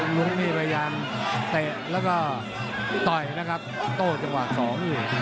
บรรยานเตะแล้วก็ต่อยนะครับโต้จังหวะสองอยู่